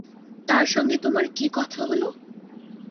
তাঁর সঙ্গে তোমার কী কথা হল?